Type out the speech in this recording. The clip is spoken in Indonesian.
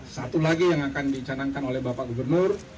satu lagi yang akan dicanangkan oleh bapak gubernur